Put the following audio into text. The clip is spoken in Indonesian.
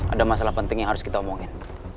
ada masalah penting yang harus kita omongin